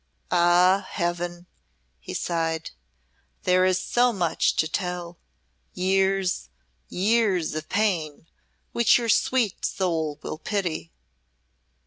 "Ah, Heaven!" he sighed, "there is so much to tell years, years of pain which your sweet soul will pity."